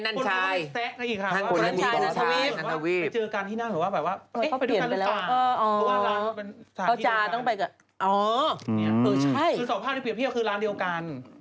ส่วนสภาพที่เปรียบพี่คือร้านเดียวกัน